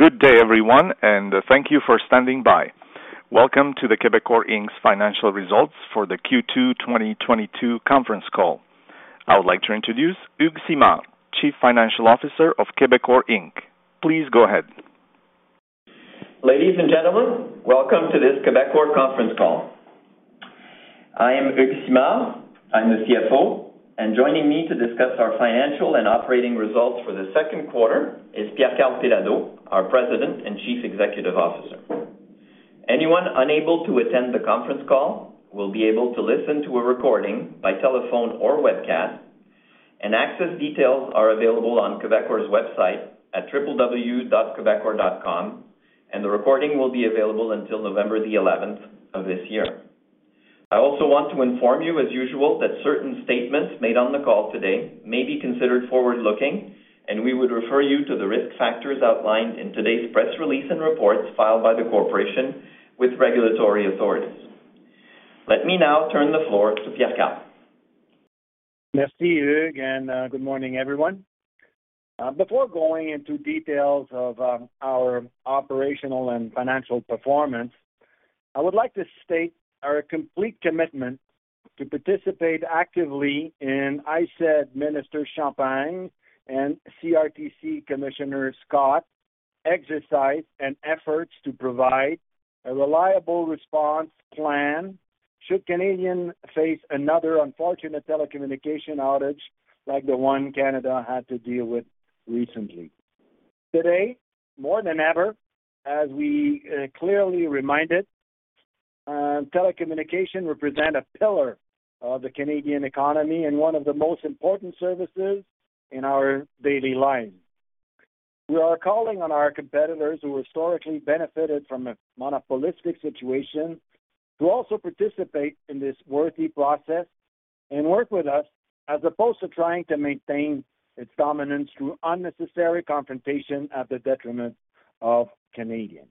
Good day, everyone and thank you for standing by. Welcome to the Quebecor Inc.'s financial results for the Q2 2022 conference call. I would like to introduce Hugues Simard, Chief Financial Officer of Quebecor Inc. Please go ahead. Ladies and gentlemen, welcome to this Quebecor conference call. I am Hugues Simard. I'm the CFO. Joining me to discuss our financial and operating results for the second quarter is Pierre-Karl Péladeau, our President and Chief Executive Officer. Anyone unable to attend the conference call will be able to listen to a recording by telephone or webcast and access details are available on Quebecor's website at www.quebecor.com and the recording will be available until 11 November of this year. I also want to inform you, as usual, that certain statements made on the call today may be considered forward-looking and we would refer you to the risk factors outlined in today's press release and reports filed by the corporation with regulatory authorities. Let me now turn the floor to Pierre Karl. Merci, Hugues and good morning, everyone. Before going into details of our operational and financial performance, I would like to state our complete commitment to participate actively in, as I said, Minister Champagne and CRTC Commissioner Scott exercise and efforts to provide a reliable response plan should Canadians face another unfortunate telecommunications outage like the one Canada had to deal with recently. Today, more than ever, as we were clearly reminded, telecommunications represents a pillar of the Canadian economy and one of the most important services in our daily lives. We are calling on our competitors who historically benefited from a monopolistic situation to also participate in this worthy process and work with us as opposed to trying to maintain its dominance through unnecessary confrontation at the detriment of Canadians.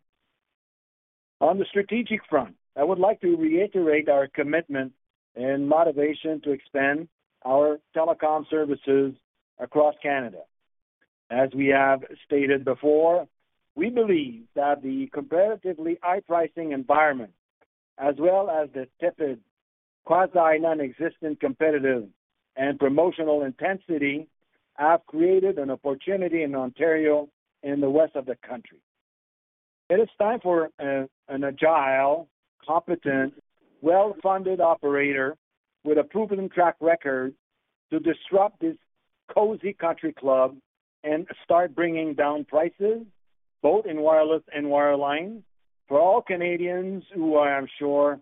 On the strategic front, I would like to reiterate our commitment and motivation to expand our telecom services across Canada. As we have stated before, we believe that the comparatively high pricing environment, as well as the tepid, quasi-nonexistent competitive and promotional intensity, have created an opportunity in Ontario in the west of the country. It is time for an agile, competent, well-funded operator with a proven track record to disrupt this cozy country club and start bringing down prices both in wireless and wireline for all Canadians who I am sure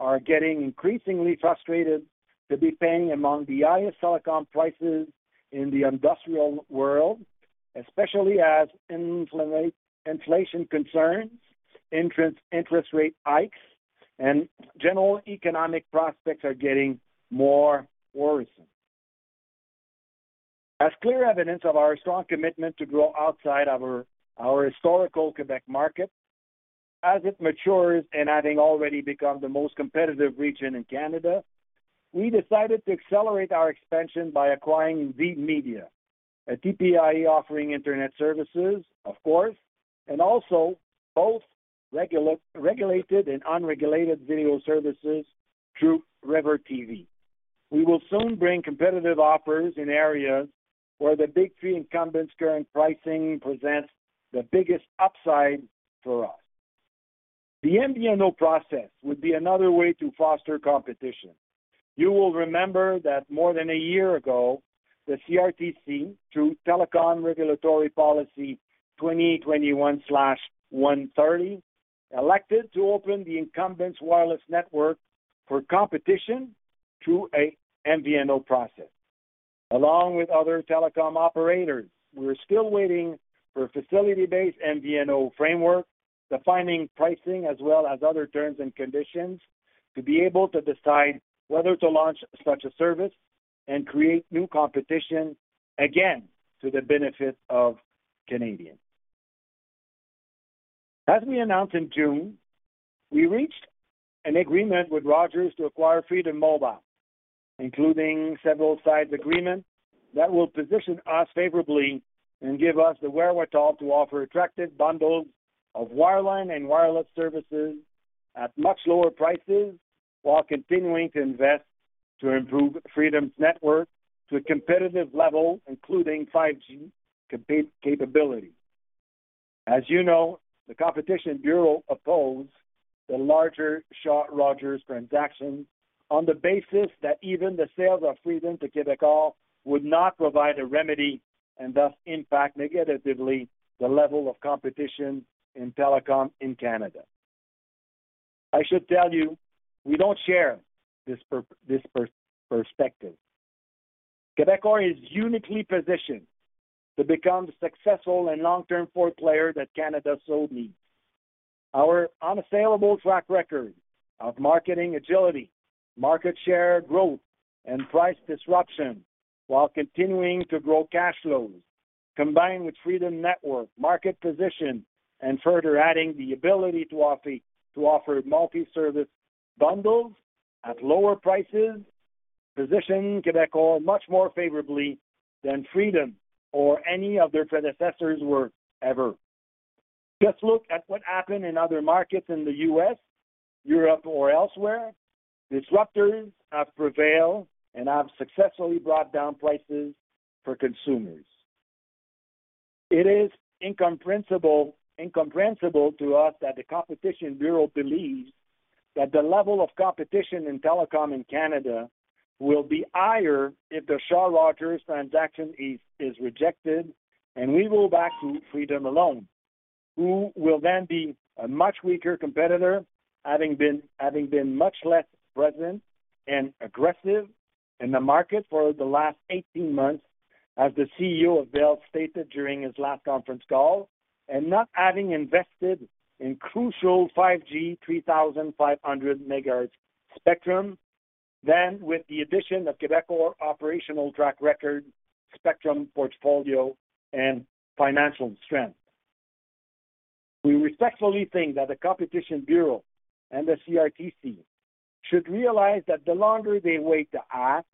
are getting increasingly frustrated to be paying among the highest telecom prices in the industrial world, especially as inflation concerns, interest rate hikes and general economic prospects are getting more worrisome. As clear evidence of our strong commitment to grow outside of our historical Quebec market, as it matures and having already become the most competitive region in Canada, we decided to accelerate our expansion by acquiring VMedia, an IPTV offering internet services, of course and also both regulated and unregulated video services through RiverTV. We will soon bring competitive offers in areas where the big three incumbents' current pricing presents the biggest upside for us. The MVNO process would be another way to foster competition. You will remember that more than a year ago, the CRTC, through Telecom Regulatory Policy CRTC 2021-130, elected to open the incumbents' wireless network for competition through an MVNO process. Along with other telecom operators, we're still waiting for facility-based MVNO framework, defining pricing as well as other terms and conditions, to be able to decide whether to launch such a service and create new competition again to the benefit of Canadians. As we announced in June, we reached an agreement with Rogers to acquire Freedom Mobile, including several side agreements that will position us favorably and give us the wherewithal to offer attractive bundles of wireline and wireless services at much lower prices while continuing to invest to improve Freedom's network to a competitive level, including 5G capability. As you know, the Competition Bureau opposed the larger Shaw Rogers transaction on the basis that even the sales of Freedom to Quebecor would not provide a remedy and thus impact negatively the level of competition in telecom in Canada. I should tell you, we don't share this perspective. Quebecor is uniquely positioned to become the successful and long-term fourth player that Canada so needs. Our unassailable track record of marketing agility, market share growth and price disruption, while continuing to grow cash flows, combined with Freedom Network market position and further adding the ability to offer multi-service bundles at lower prices positions Quebecor much more favorably than Freedom or any of their predecessors were ever. Just look at what happened in other markets in the U.S., Europe or elsewhere. Disruptors have prevailed and have successfully brought down prices for consumers. It is incomprehensible to us that the Competition Bureau believes that the level of competition in telecom in Canada will be higher if the Shaw Rogers transaction is rejected and we go back to Freedom alone, who will then be a much weaker competitor, having been much less present and aggressive in the market for the last 18 months, as the CEO of Bell stated during his last conference call. Not having invested in crucial 5G, 3,500 MHz spectrum than with the addition of Quebecor operational track record, spectrum portfolio and financial strength. We respectfully think that the Competition Bureau and the CRTC should realize that the longer they wait to act,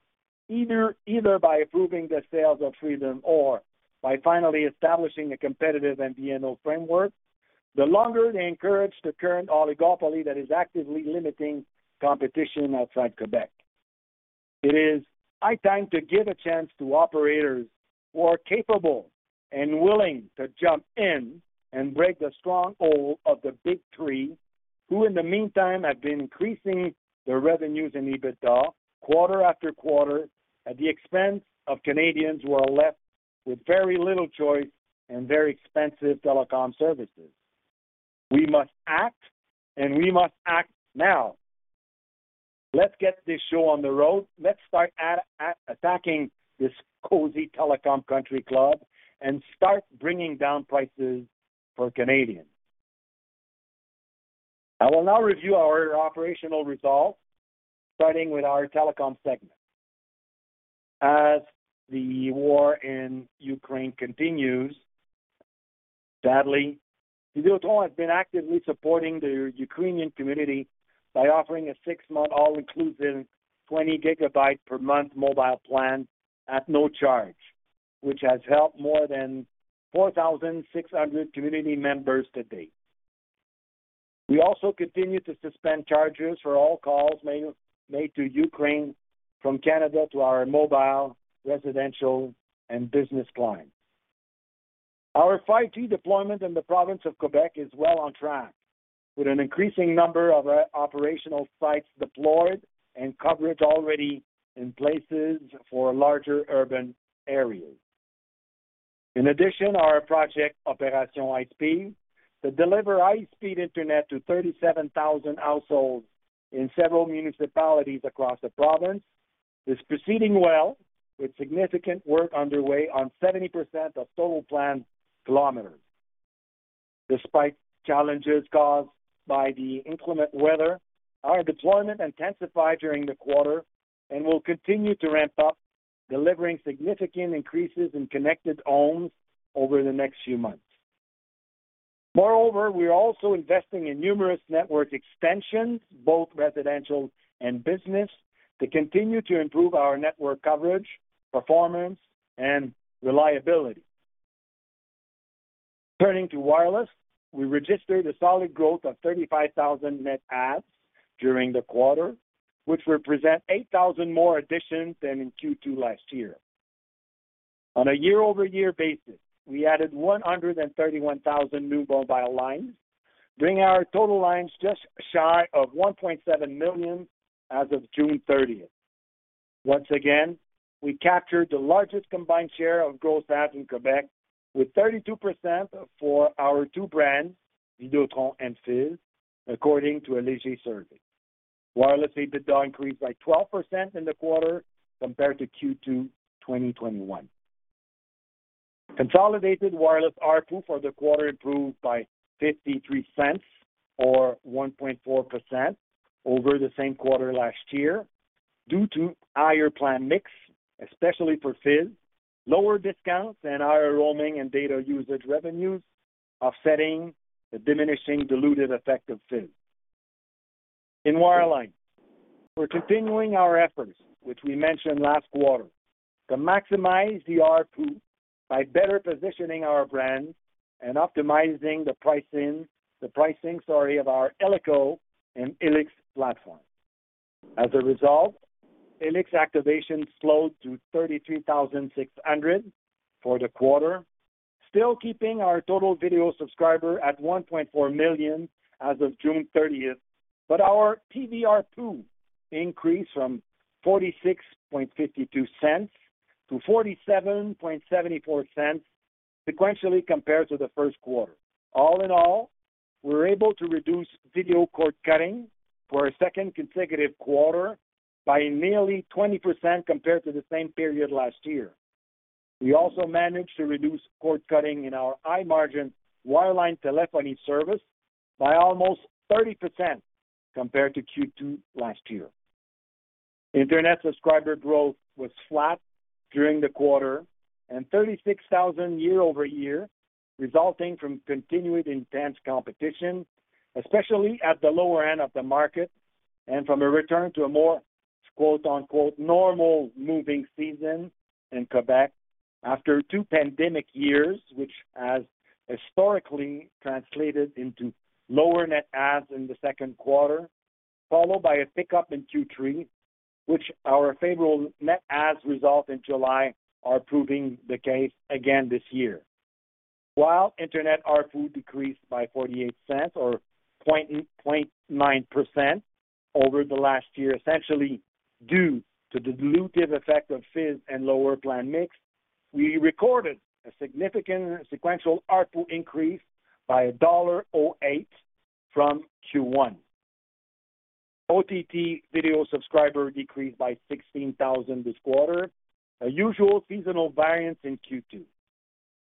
either by approving the sales of Freedom or by finally establishing a competitive MVNO framework. The longer they encourage the current oligopoly that is actively limiting competition outside Quebec. It is high time to give a chance to operators who are capable and willing to jump in and break the stronghold of the big three, who in the meantime have been increasing their revenues and EBITDA quarter after quarter at the expense of Canadians who are left with very little choice and very expensive telecom services. We must act and we must act now. Let's get this show on the road. Let's start attacking this cozy telecom country club and start bringing down prices for Canadians. I will now review our operational results, starting with our telecom segment. As the war in Ukraine continues, sadly, Videotron has been actively supporting the Ukrainian community by offering a six-month all-inclusive 20 GB per month mobile plan at no charge, which has helped more than 4,600 community members to date. We also continue to suspend charges for all calls made to Ukraine from Canada to our mobile, residential and business clients. Our 5G deployment in the province of Quebec is well on track with an increasing number of operational sites deployed and coverage already in places for larger urban areas. In addition, our project Operation High Speed to deliver high-speed internet to 37,000 households in several municipalities across the province, is proceeding well with significant work underway on 70% of total planned kilometers. Despite challenges caused by the inclement weather, our deployment intensified during the quarter and will continue to ramp up, delivering significant increases in connected homes over the next few months. Moreover, we are also investing in numerous network extensions, both residential and business, to continue to improve our network coverage, performance and reliability. Turning to wireless, we registered a solid growth of 35,000 net adds during the quarter, which represent 8,000 more additions than in Q2 last year. On a year-over-year basis, we added 131,000 new mobile lines, bringing our total lines just shy of 1.7 million as of 30 June. Once again, we captured the largest combined share of growth adds in Quebec with 32% for our two brands, Videotron and Fizz, according to a Léger survey. Wireless EBITDA increased by 12% in the quarter compared to Q2 2021. Consolidated wireless ARPU for the quarter improved by 0.53 or 1.4% over the same quarter last year due to higher plan mix, especially for Fizz, lower discounts and higher roaming and data usage revenues offsetting the diminishing diluted effect of Fizz. In wireline, we're continuing our efforts, which we mentioned last quarter, to maximize the ARPU by better positioning our brands and optimizing the pricing, sorry, of our illico and Helix platforms. As a result, illico activations slowed to 33,600 for the quarter, still keeping our total video subscriber at 1.4 million as of June 30. Our TV ARPU increased from 46.52 to 47.74 sequentially compared to the first quarter. All in all, we're able to reduce video cord cutting for a second consecutive quarter by nearly 20% compared to the same period last year. We also managed to reduce cord cutting in our high-margin wireline telephony service by almost 30% compared to Q2 last year. Internet subscriber growth was flat during the quarter and 36,000 year-over-year, resulting from continued intense competition, especially at the lower end of the market and from a return to a more quote-unquote normal moving season in Quebec after two pandemic years, which has historically translated into lower net adds in the second quarter, followed by a pickup in Q3, which our favorable net adds in July are proving the case again this year. While internet ARPU decreased by 0.48 or 0.9% over the last year, essentially due to dilutive effect of fees and lower plan mix, we recorded a significant sequential ARPU increase by 1.08 dollar from Q1. OTT video subscriber decreased by 16,000 this quarter, a usual seasonal variance in Q2.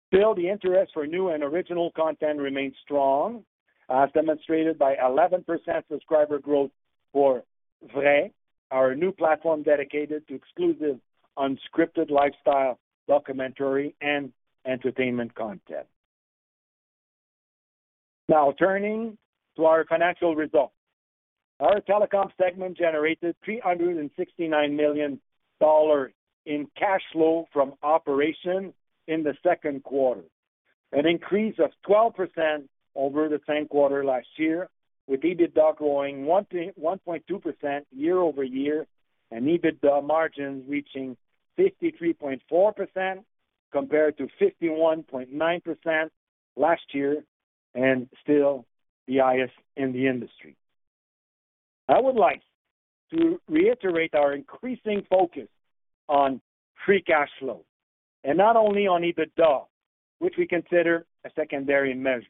Still, the interest for new and original content remains strong, as demonstrated by 11% subscriber growth for Vrai, our new platform dedicated to exclusive, unscripted lifestyle, documentary and entertainment content. Now turning to our financial results. Our telecom segment generated 369 million dollars in cash flow from operations in the second quarter, an increase of 12% over the same quarter last year, with EBITDA growing 1.2% year-over-year and EBITDA margin reaching 53.4% compared to 51.9% last year and still the highest in the industry. I would like to reiterate our increasing focus on free cash flow and not only on EBITDA, which we consider a secondary measure.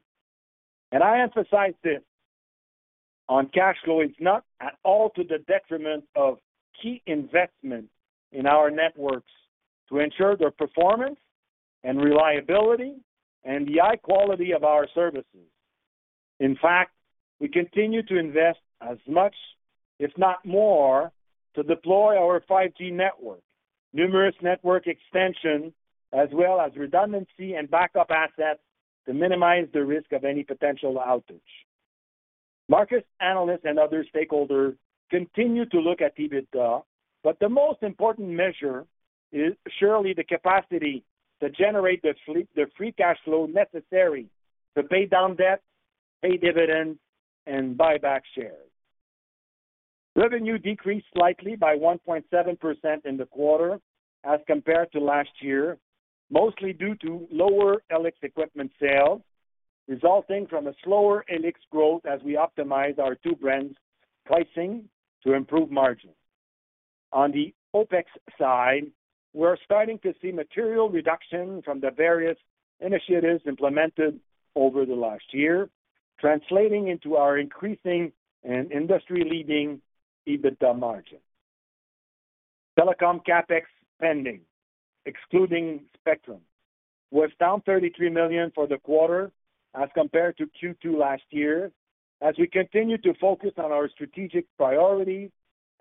I emphasize this on cash flow. It's not at all to the detriment of key investments in our networks to ensure their performance and reliability and the high quality of our services. In fact, we continue to invest as much, if not more, to deploy our 5G network, numerous network extension, as well as redundancy and backup assets to minimize the risk of any potential outage. Market analysts and other stakeholders continue to look at EBITDA but the most important measure is surely the capacity to generate the free cash flow necessary to pay down debt, pay dividends and buy back shares. Revenue decreased slightly by 1.7% in the quarter as compared to last year, mostly due to lower LTE equipment sales, resulting from a slower LTE growth as we optimize our two brands' pricing to improve margins. On the OpEx side, we're starting to see material reduction from the various initiatives implemented over the last year, translating into our increasing and industry-leading EBITDA margin. Telecom CapEx spending, excluding spectrum, was down 33 million for the quarter as compared to Q2 last year as we continue to focus on our strategic priorities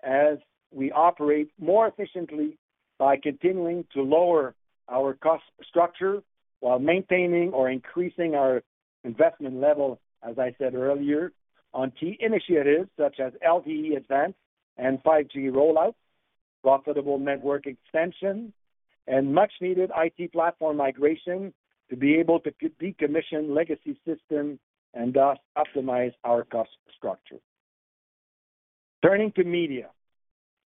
as we operate more efficiently by continuing to lower our cost structure while maintaining or increasing our investment level. As I said earlier, on key initiatives such as LTE-Advanced and 5G roll-out, profitable network expansion and much-needed IT platform migration to be able to decommission legacy systems and thus optimize our cost structure. Turning to media.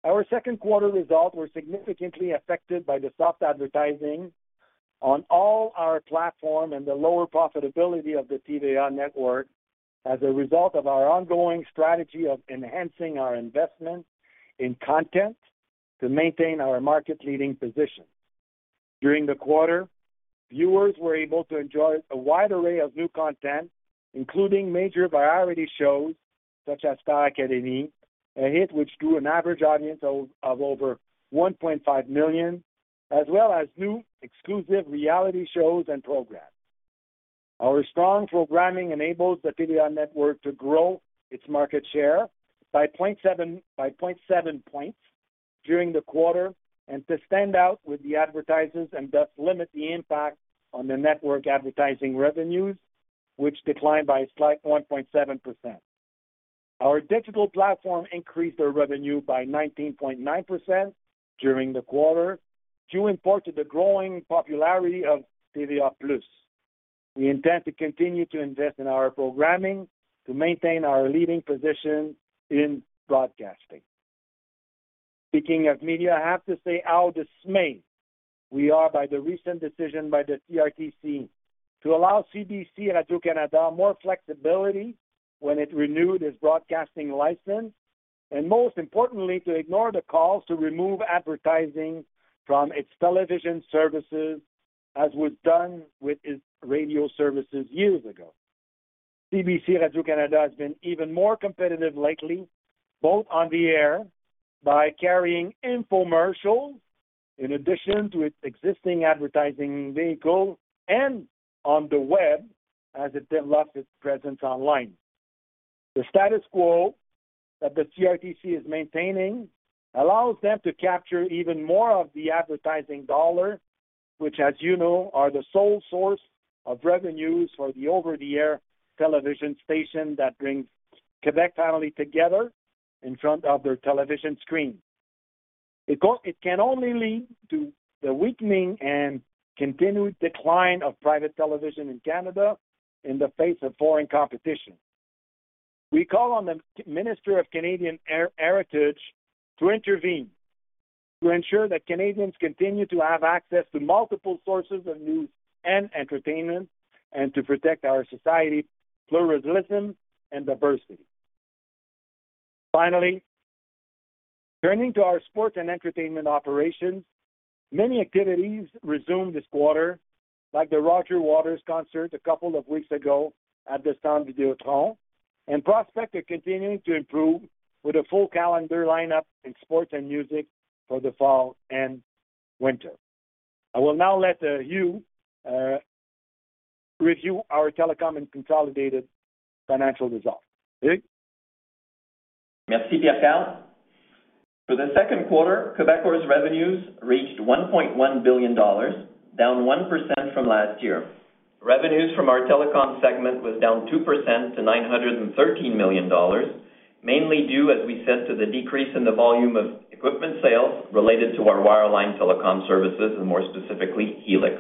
Our second quarter results were significantly affected by the soft advertising on all our platforms and the lower profitability of the TVA network as a result of our ongoing strategy of enhancing our investment in content to maintain our market-leading position. During the quarter, viewers were able to enjoy a wide array of new content, including major variety shows such as Star Académie, a hit which drew an average audience of over 1.5 million, as well as new exclusive reality shows and programs. Our strong programming enables the TVA network to grow its market share by 0.7 points during the quarter and to stand out with the advertisers and thus limit the impact on the network advertising revenues, which declined by a slight 1.7%. Our digital platform increased our revenue by 19.9% during the quarter due in part to the growing popularity of TVA+. We intend to continue to invest in our programming to maintain our leading position in broadcasting. Speaking of media, I have to say how dismayed we are by the recent decision by the CRTC to allow CBC/Radio-Canada more flexibility when it renewed its broadcasting license and most importantly, to ignore the calls to remove advertising from its television services as was done with its radio services years ago. CBC/Radio-Canada has been even more competitive lately, both on the air by carrying infomercials in addition to its existing advertising vehicles and on the web as it develops its presence online. The status quo that the CRTC is maintaining allows them to capture even more of the advertising dollar, which, as you know, are the sole source of revenues for the over-the-air television station that brings Quebec family together in front of their television screen. It can only lead to the weakening and continued decline of private television in Canada in the face of foreign competition. We call on the Minister of Canadian Heritage to intervene to ensure that Canadians continue to have access to multiple sources of news and entertainment and to protect our societal pluralism and diversity. Finally, turning to our sports and entertainment operations, many activities resumed this quarter, like the Roger Waters concert a couple of weeks ago at the Videotron Centre. Prospects are continuing to improve with a full calendar lineup in sports and music for the fall and winter. I will now let you review our telecom and consolidated financial results. Hugues? Merci, Pierre Karl. For the second quarter, Quebecor's revenues reached 1.1 billion dollars, down 1% from last year. Revenues from our telecom segment was down 2% to 913 million dollars, mainly due, as we said, to the decrease in the volume of equipment sales related to our wireline telecom services and more specifically, Helix.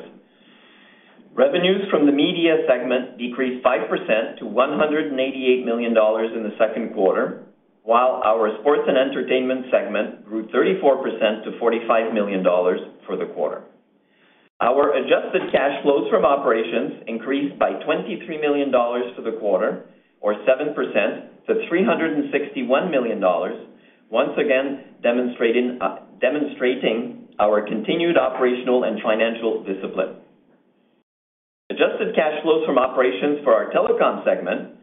Revenues from the media segment decreased 5% to 188 million dollars in the second quarter, while our sports and entertainment segment grew 34% to 45 million dollars for the quarter. Our adjusted cash flows from operations increased by 23 million dollars for the quarter or 7% to 361 million dollars, once again demonstrating our continued operational and financial discipline. Adjusted cash flows from operations for our telecom segment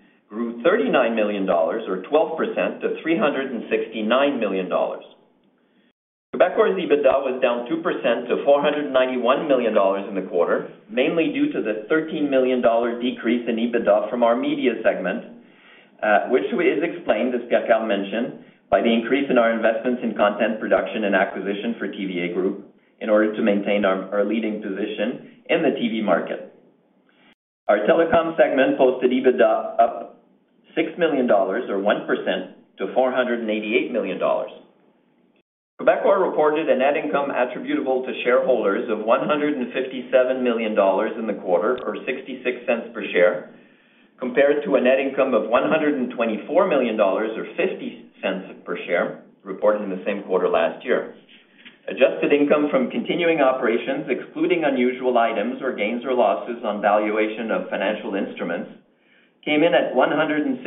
grew 39 million dollars or 12% to 369 million dollars. Quebecor's EBITDA was down 2% to 491 million dollars in the quarter, mainly due to the 13 million dollar decrease in EBITDA from our media segment, which is explained, as Pierre-Karl mentioned, by the increase in our investments in content production and acquisition for TVA Group in order to maintain our leading position in the TV market. Our telecom segment posted EBITDA up 6 million dollars or 1% to 488 million dollars. Quebecor reported a net income attributable to shareholders of 157 million dollars in the quarter or 0.66 per share, compared to a net income of 124 million dollars or 0.50 per share reported in the same quarter last year. Adjusted income from continuing operations, excluding unusual items or gains or losses on valuation of financial instruments, came in at 162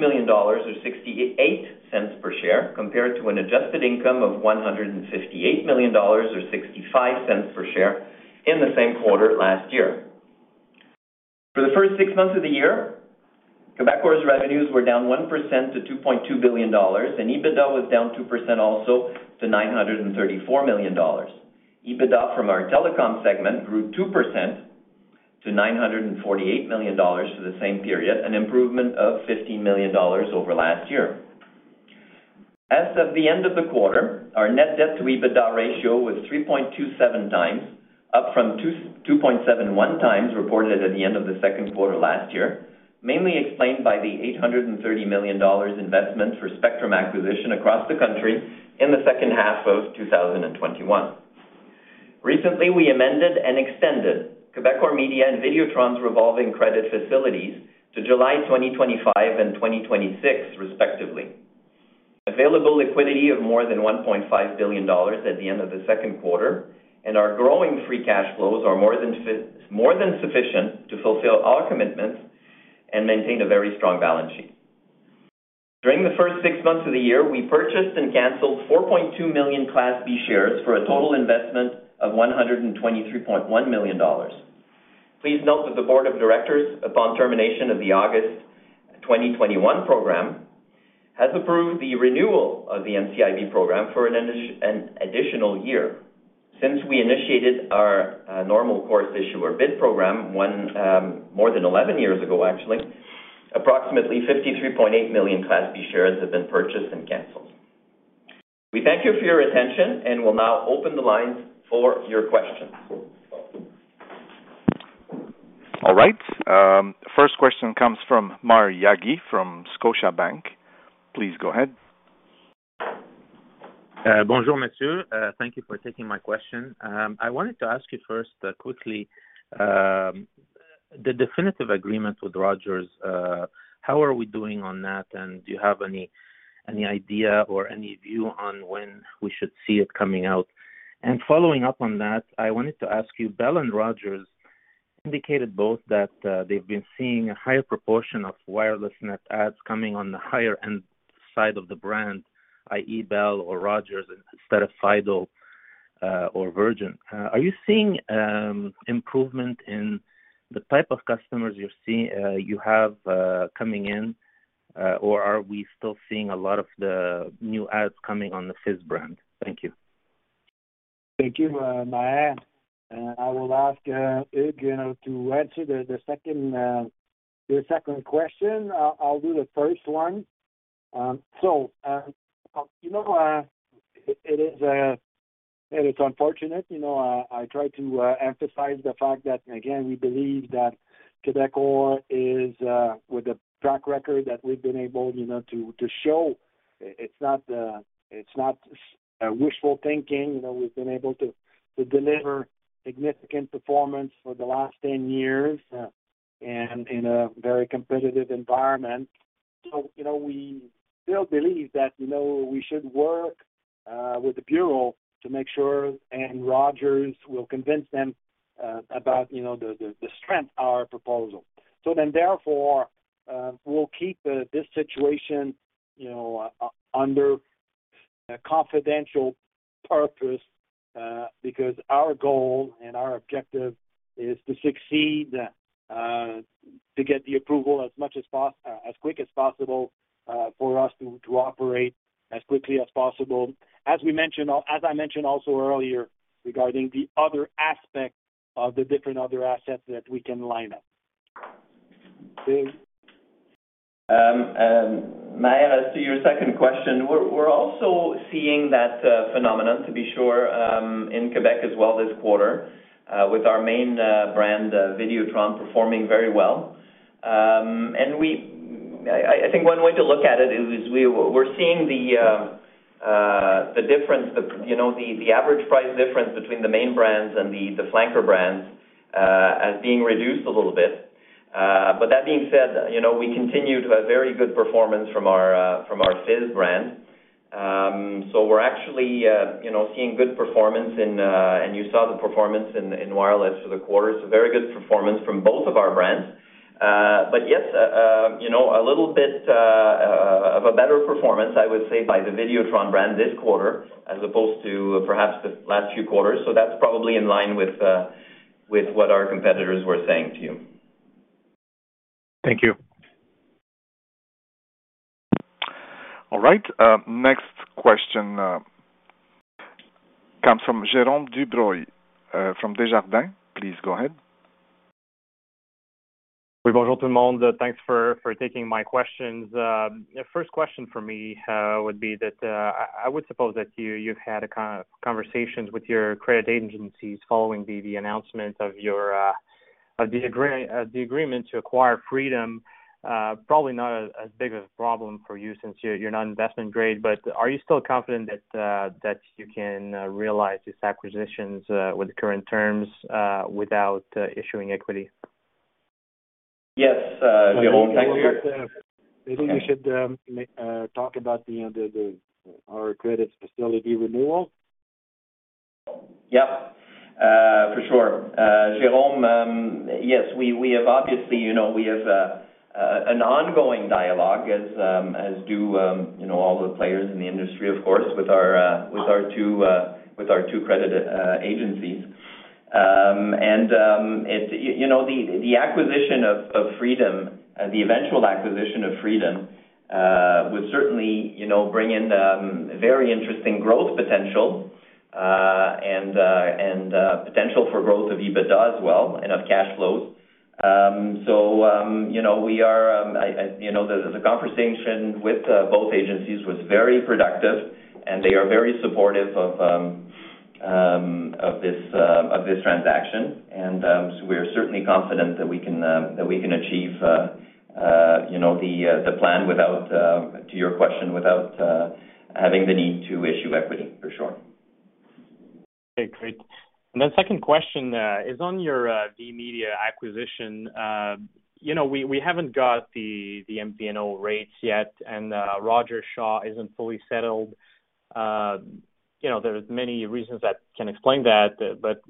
million dollars or 0.68 per share, compared to an adjusted income of 158 million dollars or 0.65 per share in the same quarter last year. For the first six months of the year, Quebecor's revenues were down 1% to 2.2 billion dollars and EBITDA was down 2% also to 934 million dollars. EBITDA from our telecom segment grew 2% to 948 million dollars for the same period, an improvement of 50 million dollars over last year. As of the end of the quarter, our net debt to EBITDA ratio was 3.27 times, up from 2.71 times reported at the end of the second quarter last year. Mainly explained by the 830 million dollars investment for spectrum acquisition across the country in the second half of 2021. Recently, we amended and extended Quebecor Media and Videotron's revolving credit facilities to July 2025 and 2026 respectively. Available liquidity of more than 1.5 billion dollars at the end of the second quarter and our growing free cash flows are more than sufficient to fulfill all commitments and maintain a very strong balance sheet. During the first six months of the year, we purchased and canceled 4.2 million Class B shares for a total investment of 123.1 million dollars. Please note that the board of directors, upon termination of the August 2021 program, has approved the renewal of the NCIB program for an additional year. Since we initiated our normal course issuer bid program more than 11 years ago, actually, approximately 53.8 million Class B shares have been purchased and canceled. We thank you for your attention and will now open the lines for your questions. All right, first question comes from Maher Yaghi from Scotiabank. Please go ahead. Bonjour monsieur, thank you for taking my question. I wanted to ask you first, quickly, the definitive agreement with Rogers, how are we doing on that? Do you have any idea or any view on when we should see it coming out? Following up on that, I wanted to ask you, Bell and Rogers indicated both that, they've been seeing a higher proportion of wireless net adds coming on the higher end side of the brand, i.e. Bell or Rogers, instead of Fido or Virgin. Are you seeing improvement in the type of customers you have coming in or are we still seeing a lot of the new adds coming on the Fizz brand? Thank you. Thank you, Maher. I will ask, Hugues, you know, to answer the second question. I'll do the first one. It's unfortunate, you know. I try to emphasize the fact that, again, we believe that Quebecor is with a track record that we've been able, you know, to show. It's not wishful thinking. You know, we've been able to deliver significant performance for the last 10 years and in a very competitive environment. You know, we still believe that, you know, we should work with the bureau to make sure and Rogers will convince them about, you know, the strength of our proposal. Therefore, we'll keep this situation, you know, under confidential purpose, because our goal and our objective is to succeed, to get the approval as quick as possible for us to operate as quickly as possible. As we mentioned or as I mentioned also earlier regarding the other aspect of the different other assets that we can line up. Maher, as to your second question, we're also seeing that phenomenon, to be sure, in Quebec as well this quarter, with our main brand Videotron performing very well. I think one way to look at it is we're seeing the difference, you know, the average price difference between the main brands and the flanker brands as being reduced a little bit. But that being said, you know, we continue to have very good performance from our Fizz brand. We're actually, you know, seeing good performance and you saw the performance in wireless for the quarter. Very good performance from both of our brands. Yes, you know, a little bit of a better performance, I would say, by the Videotron brand this quarter as opposed to perhaps the last few quarters. That's probably in line with what our competitors were saying to you. Thank you. All right. Next question comes from Jérome Dubreuil from Desjardins. Please go ahead. Thanks for taking my questions. First question for me would be that I would suppose that you have had conversations with your credit agencies following the announcement of your agreement to acquire Freedom. Probably not as big of a problem for you since you're not investment grade but are you still confident that you can realize these acquisitions with the current terms without issuing equity? Maybe we should talk about our credit facility renewal. Yeah. For sure. Jérome, yes, we have obviously, you know, we have an ongoing dialogue as do, you know, all the players in the industry, of course, with our two credit agencies. You know, the acquisition of Freedom, the eventual acquisition of Freedom would certainly, you know, bring in very interesting growth potential and potential for growth of EBITDA as well and of cash flows. You know, the conversation with both agencies was very productive and they are very supportive of this transaction. We're certainly confident that we can achieve, you know, the plan without to your question, without having the need to issue equity for sure. Okay. Great. Second question is on your VMedia acquisition. You know, we haven't got the MVNO rates yet and Rogers Shaw isn't fully settled. You know, there are many reasons that can explain that but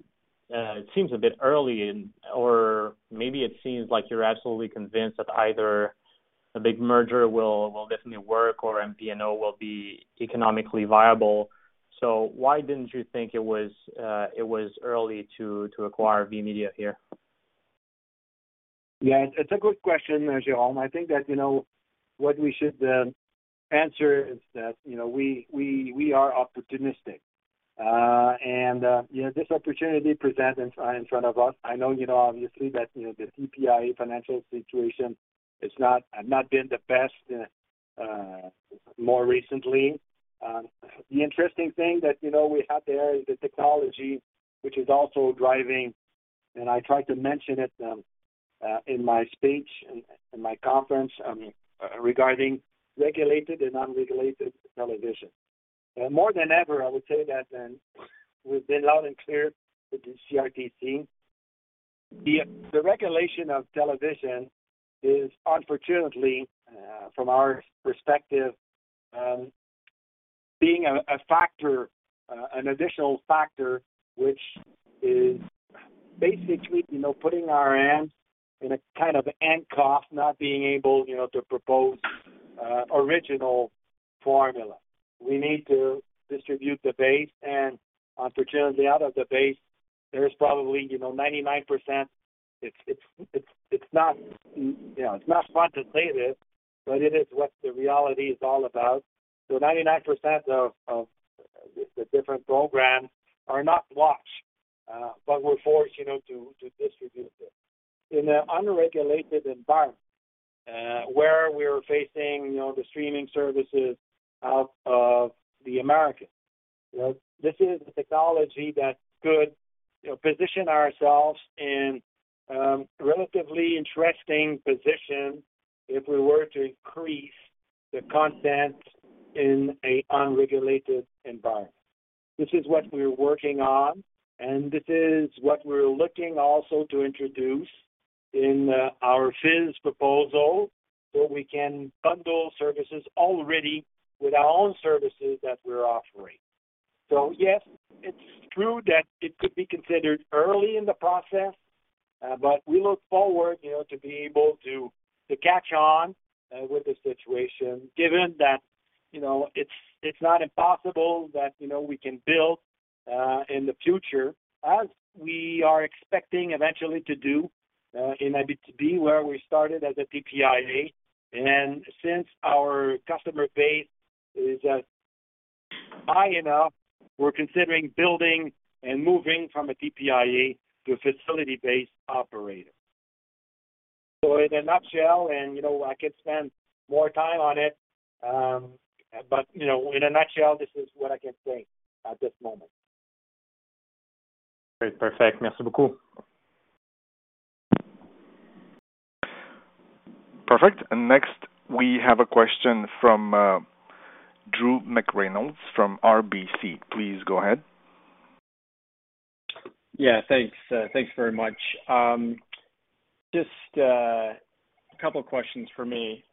it seems a bit early in or maybe it seems like you're absolutely convinced that either a big merger will definitely work or MVNO will be economically viable. Why didn't you think it was early to acquire VMedia here? Yeah. It's a good question, Jérome. I think that, you know, what we should answer is that, you know, we are opportunistic. You know, this opportunity presents in front of us. I know, you know, obviously that, you know, the TPIA financial situation has not been the best more recently. The interesting thing that, you know, we have there is the technology which is also driving and I tried to mention it in my speech, in my conference, regarding regulated and non-regulated television. More than ever, I would say that we've been loud and clear with the CRTC. The regulation of television is unfortunately from our perspective being a factor, an additional factor, which is basically, you know, putting our hands in a kind of handcuff, not being able, you know, to propose original formula. We need to distribute the base and unfortunately, out of the base, there is probably, you know, 99%. It's not, you know, it's not fun to say this but it is what the reality is all about. Ninety-nine percent of the different programs are not watched but we're forced, you know, to distribute it. In an unregulated environment, where we are facing, you know, the streaming services of the Americans. You know, this is a technology that could, you know, position ourselves in relatively interesting position if we were to increase the content in an unregulated environment. This is what we're working on and this is what we're looking also to introduce in our Fizz proposal, where we can bundle services already with our own services that we're offering. Yes, it's true that it could be considered early in the process but we look forward, you know, to be able to catch on with the situation, given that, you know, it's not impossible that, you know, we can build in the future as we are expecting eventually to do in B2B, where we started as a TPIA. Since our customer base is high enough, we're considering building and moving from a TPIA to a facility-based operator. In a nutshell and, you know, I could spend more time on it but, you know, in a nutshell, this is what I can say at this moment. Great. Perfect. Merci beaucoup. Perfect. Next, we have a question from Drew McReynolds from RBC. Please go ahead. Yeah, thanks. Thanks very much. Just a couple questions for me.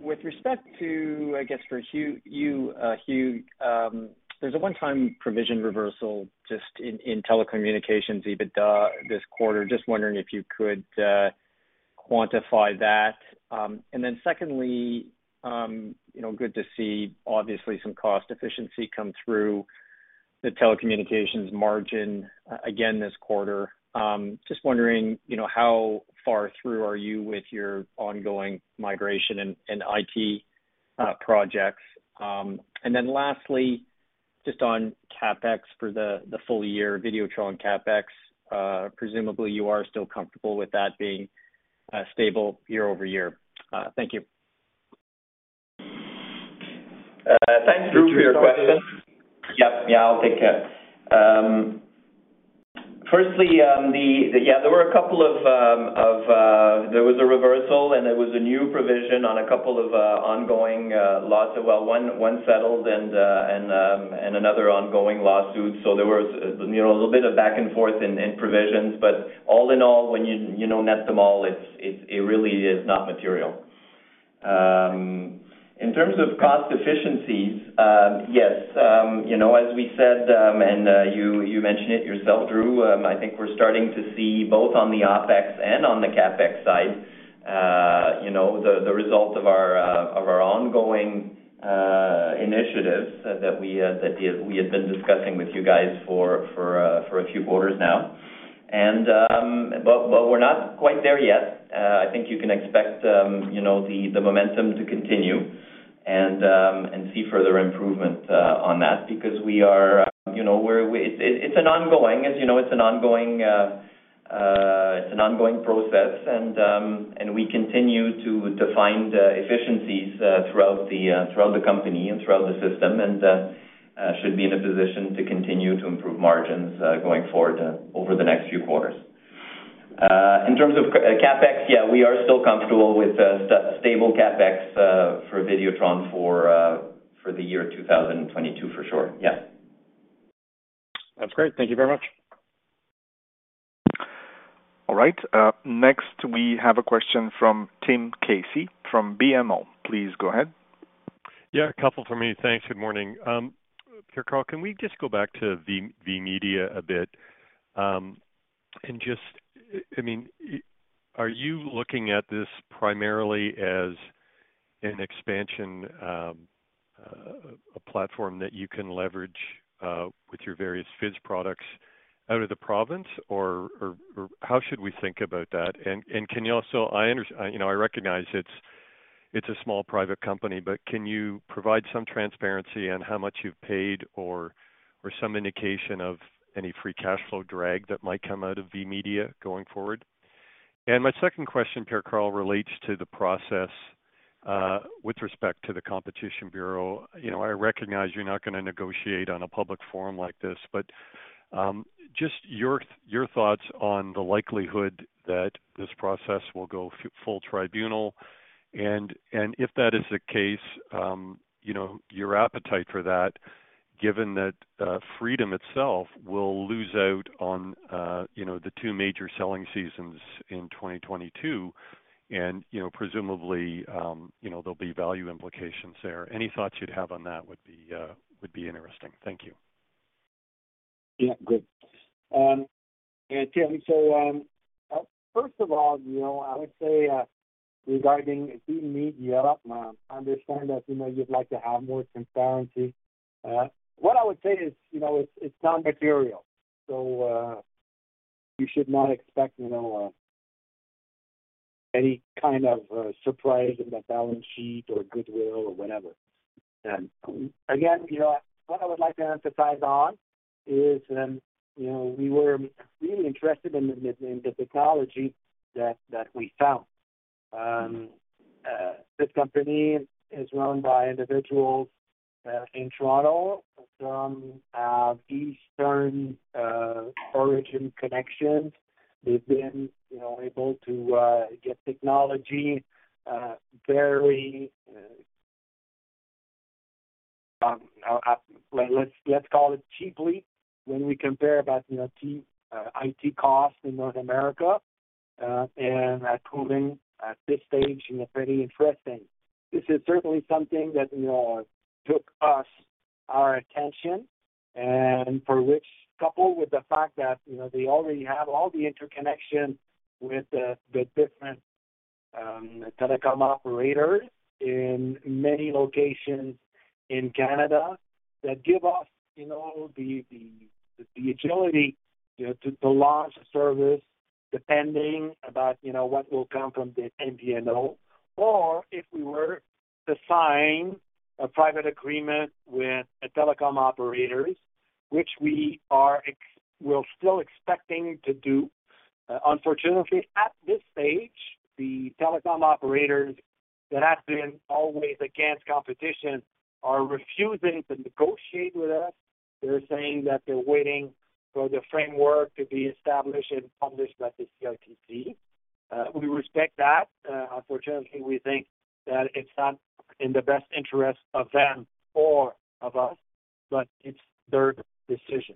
With respect to, I guess, for you, Hugh, there's a one-time provision reversal just in telecommunications EBITDA this quarter. Just wondering if you could quantify that. And then secondly, you know, good to see obviously some cost efficiency come through the telecommunications margin again this quarter. Just wondering, you know, how far through are you with your ongoing migration and IT projects. And then lastly, just on CapEx for the full year Videotron CapEx, presumably you are still comfortable with that being stable year-over-year. Thank you. Thanks, Drew, for your question. Yeah, I'll take it. Firstly, there was a reversal and there was a new provision. Well, one settled and another ongoing lawsuit. There was, you know, a little bit of back and forth and provisions. All in all, when you know, net them all, it really is not material. In terms of cost efficiencies, yes. You know, as we said, you mentioned it yourself, Drew. I think we're starting to see both on the OpEx and on the CapEx side, you know, the results of our ongoing initiatives that we have been discussing with you guys for a few quarters now. But we're not quite there yet. I think you can expect, you know, the momentum to continue and see further improvement on that because we are, you know. It's an ongoing process, as you know and we continue to find efficiencies throughout the company and throughout the system and should be in a position to continue to improve margins going forward over the next few quarters. In terms of CapEx, yeah, we are still comfortable with stable CapEx for Videotron for the year 2022, for sure. Yeah. That's great. Thank you very much. All right. Next we have a question from Tim Casey from BMO. Please go ahead. Yeah, a couple for me. Thanks. Good morning. Pierre-Karl, can we just go back to VMedia a bit and just I mean, are you looking at this primarily as an expansion, a platform that you can leverage, with your various Fizz products out of the province or how should we think about that? Can you also. You know, I recognize it's a small private company but can you provide some transparency on how much you've paid or some indication of any free cash flow drag that might come out of VMedia going forward? My second question, Pierre-Karl, relates to the process with respect to the Competition Bureau. You know, I recognize you're not gonna negotiate on a public forum like this but just your thoughts on the likelihood that this process will go full tribunal and if that is the case, you know, your appetite for that, given that Freedom itself will lose out on, you know, the two major selling seasons in 2022 and, you know, presumably, you know, there'll be value implications there. Any thoughts you'd have on that would be interesting. Thank you. Yeah. Good. Yeah, Tim. First of all, you know, I would say. Regarding regarding VMedia, I understand that, you know, you'd like to have more transparency. What I would say is, you know, it's non-material, so you should not expect, you know, any kind of surprise in the balance sheet or goodwill or whatever. Again, you know, what I would like to emphasize on is, you know, we were really interested in the technology that we found. This company is run by individuals in Toronto from Eastern origin connections. They've been, you know, able to get technology very, let's call it cheaply when we compare about, you know, IT costs in North America and proving at this stage, you know, pretty interesting. This is certainly something that, you know, took our attention and for which coupled with the fact that, you know, they already have all the interconnection with the different telecom operators in many locations in Canada that give us, you know, the agility, you know, to launch a service depending on, you know, what will come from the MNO. If we were to sign a private agreement with the telecom operators, which we're still expecting to do. Unfortunately, at this stage, the telecom operators that have always been against competition are refusing to negotiate with us. They're saying that they're waiting for the framework to be established and published by the CRTC. We respect that. Unfortunately, we think that it's not in the best interest of them or of us but it's their decision.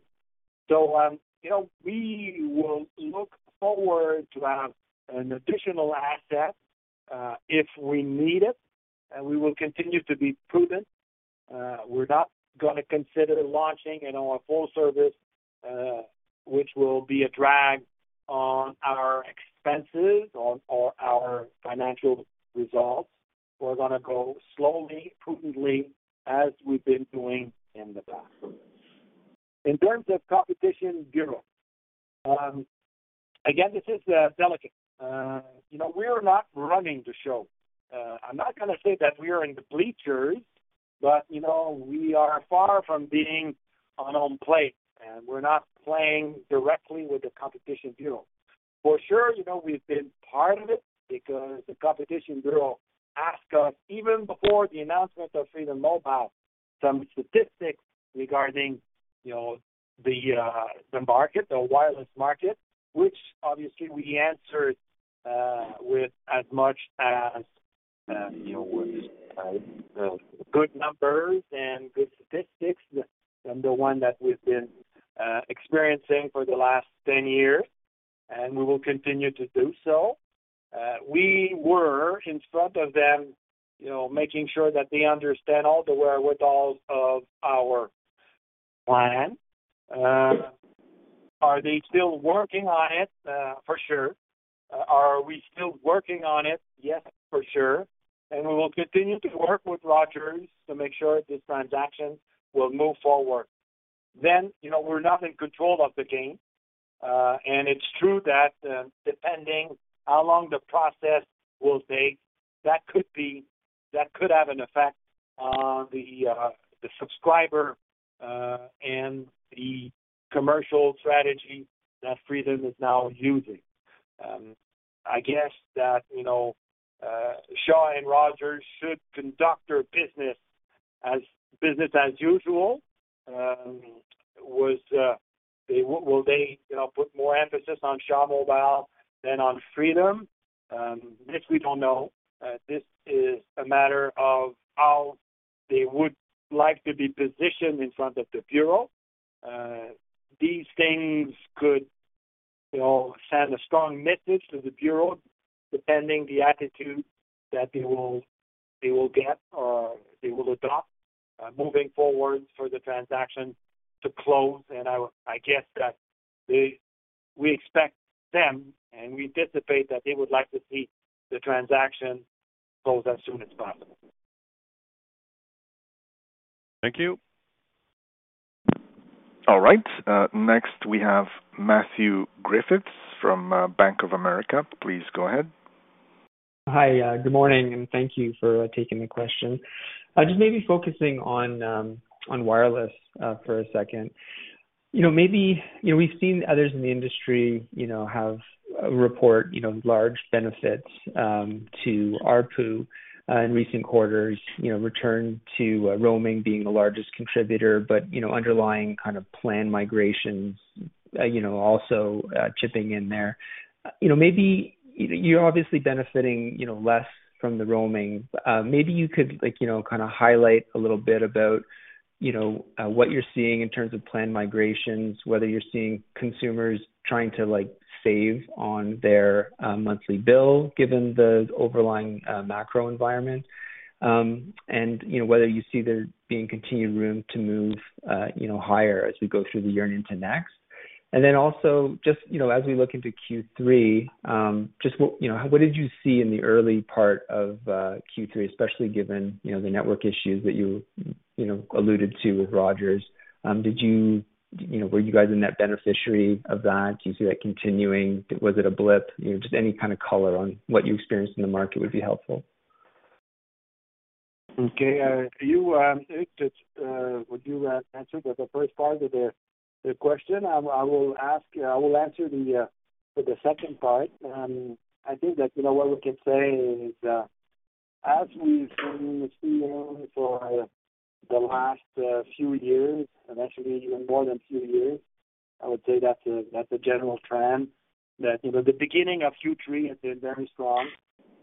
You know, we will look forward to have an additional asset, if we need it and we will continue to be prudent. We're not gonna consider launching, you know, a full service, which will be a drag on our expenses or our financial results. We're gonna go slowly, prudently as we've been doing in the past. In terms of Competition Bureau, again, this is delicate. You know, we're not running the show. I'm not gonna say that we are in the bleachers but, you know, we are far from being on play and we're not playing directly with the Competition Bureau. For sure, you know, we've been part of it because the Competition Bureau asked us, even before the announcement of Freedom Mobile, some statistics regarding, you know, the market, the wireless market, which obviously we answered with as much as, you know, good numbers and good statistics from the one that we've been experiencing for the last 10 years. We will continue to do so. We were in front of them, you know, making sure that they understand all the wherewithal of our plan. Are they still working on it? For sure. Are we still working on it? Yes, for sure. We will continue to work with Rogers to make sure this transaction will move forward. You know, we're not in control of the game. It's true that depending on how long the process will take, that could have an effect on the subscriber and the commercial strategy that Freedom is now using. I guess that, you know, Shaw and Rogers should conduct their business as usual. Will they, you know, put more emphasis on Shaw Mobile than on Freedom? This we don't know. This is a matter of how they would like to be positioned in front of the bureau. These things could, you know, send a strong message to the bureau depending on the attitude that they will get or they will adopt moving forward for the transaction to close. I would guess that they. We expect them and we anticipate that they would like to see the transaction close as soon as possible. Thank you. All right. Next we have Matthew Griffiths from Bank of America. Please go ahead. Hi. Good morning and thank you for taking the question. Just maybe focusing on wireless for a second. You know, maybe we've seen others in the industry have reported large benefits to ARPU in recent quarters, return to roaming being the largest contributor. You know, underlying kind of plan migrations also chipping in there. You know, maybe you're obviously benefiting less from the roaming. Maybe you could like kinda highlight a little bit about what you're seeing in terms of plan migrations, whether you're seeing consumers trying to like save on their monthly bill given the overall macro environment. You know, whether you see there being continued room to move, you know, higher as we go through the year into next. Then also just, you know, as we look into Q3, just what, you know, what did you see in the early part of Q3, especially given, you know, the network issues that you know, alluded to with Rogers. You know, were you guys a net beneficiary of that? Do you see that continuing? Was it a blip? You know, just any kind of color on what you experienced in the market would be helpful. Okay. Hugues, just would you answer the first part of the question? I will answer the second part. I think that, you know, what we can say is, as we've been seeing for the last few years and actually even more than a few years, I would say that's a general trend that, you know, the beginning of Q3 has been very strong.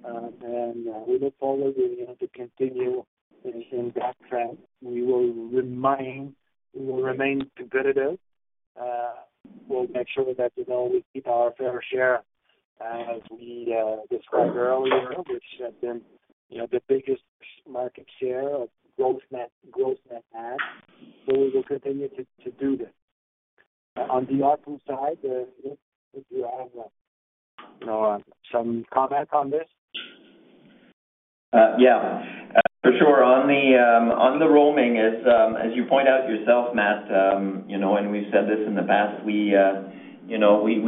We look forward, you know, to continue in that trend. We will remain competitive. We'll make sure that, you know, we keep our fair share, as we described earlier, which has been, you know, the biggest market share of growth net adds. We will continue to do this. On the opposite side, if you have, you know, some comments on this. Yeah, for sure. On the roaming is, as you point out yourself, Matthew, you know and we've said this in the past, we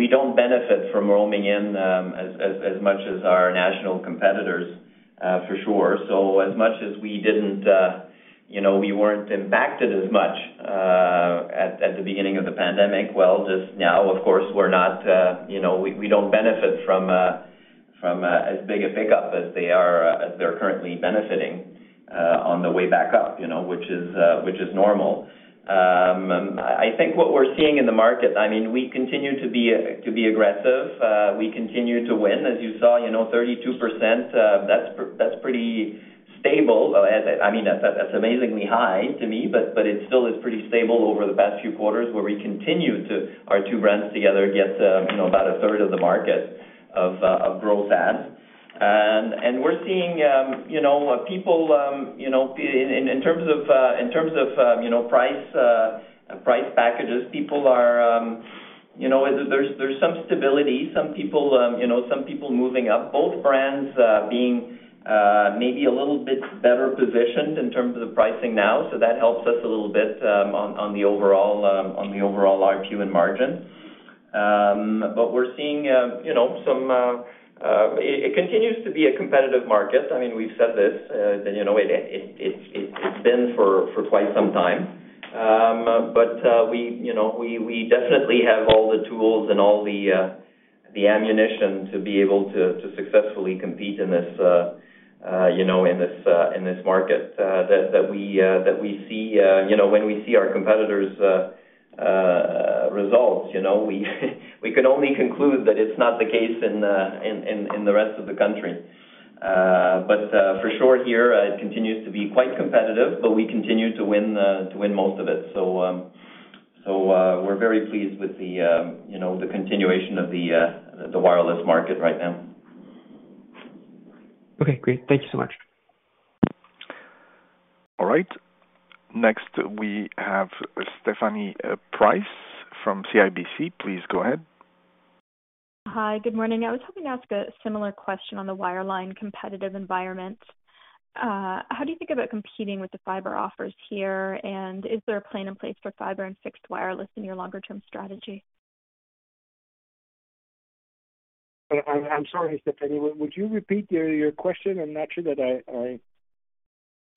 don't benefit from roaming in as much as our national competitors, for sure. As much as we didn't, you know, we weren't impacted as much at the beginning of the pandemic, well, just now, of course, we're not, you know, we don't benefit from as big a pickup as they are, as they're currently benefiting on the way back up, you know, which is normal. I think what we're seeing in the market, I mean, we continue to be aggressive. We continue to win, as you saw, you know, 32%. That's pretty stable. I mean, that's amazingly high to me but it still is pretty stable over the past few quarters, where we continue to our two brands together get, you know, about 1/3 of the market of gross adds. We're seeing, you know, people, you know, in terms of price packages, people are, you know, there's some stability. Some people, you know, moving up. Both brands being maybe a little bit better positioned in terms of the pricing now, so that helps us a little bit on the overall ARPU and margin. But we're seeing, you know. It continues to be a competitive market. I mean, we've said this, you know, it's been for quite some time. We you know definitely have all the tools and all the ammunition to be able to successfully compete in this, you know, in this market that we see. You know, when we see our competitors' results, you know, we can only conclude that it's not the case in the rest of the country. For sure here, it continues to be quite competitive but we continue to win most of it. We're very pleased with the you know the continuation of the wireless market right now. Okay, great. Thank you so much. All right. Next, we have Stephanie Price from CIBC. Please go ahead. Hi. Good morning. I was hoping to ask a similar question on the wireline competitive environment. How do you think about competing with the fiber offers here and is there a plan in place for fiber and fixed wireless in your longer-term strategy? I'm sorry, Stephanie. Would you repeat your question? I'm not sure that I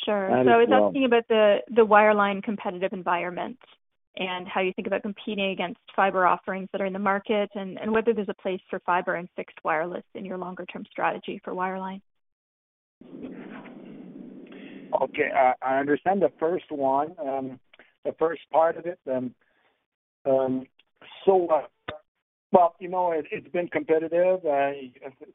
got it all. Sure. I was asking about the wireline competitive environment and how you think about competing against fiber offerings that are in the market and whether there's a place for fiber and fixed wireless in your longer-term strategy for wireline. Okay. I understand the first one, the first part of it. Well, you know, it's been competitive.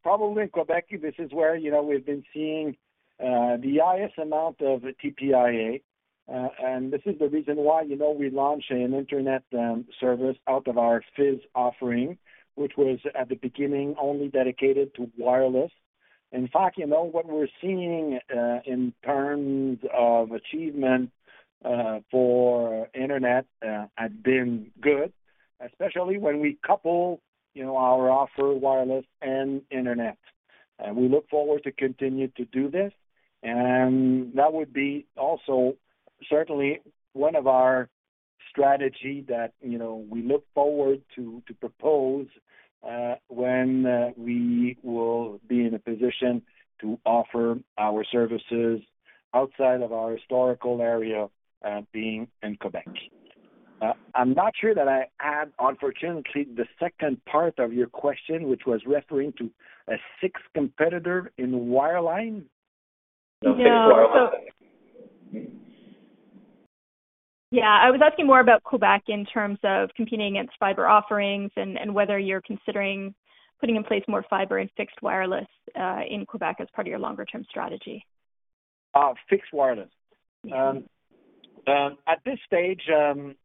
Probably in Quebec, this is where, you know, we've been seeing the highest amount of TPIA and this is the reason why, you know, we launched an internet service out of our Fizz offering, which was, at the beginning, only dedicated to wireless. In fact, you know, what we're seeing in terms of achievement for internet has been good, especially when we couple, you know, our offer wireless and internet. We look forward to continue to do this. That would be also certainly one of our strategy that, you know, we look forward to propose, when we will be in a position to offer our services outside of our historical area, being in Quebec. I'm not sure that I had, unfortunately, the second part of your question which was referring to a sixth competitor in wireline. No fixed wireline. Yeah. I was asking more about Quebec in terms of competing against fiber offerings and whether you're considering putting in place more fiber and fixed wireless in Quebec as part of your longer-term strategy. Oh, fixed wireless. At this stage,